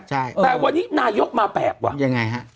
ใช่แต่วันนี้นายกมาแบบว่ะยังไงฮะ